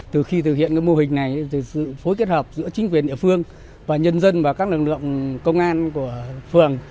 từ khi thực hiện mô hình này sự phối kết hợp giữa chính quyền địa phương và nhân dân và các lực lượng công an của phường